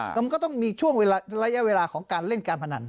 แต่มันก็ต้องมีช่วงระยะเวลาของการเล่นการพนัน